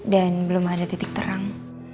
dan belum ada titik terang